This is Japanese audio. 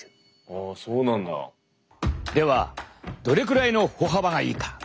ではどれぐらいの歩幅がいいか？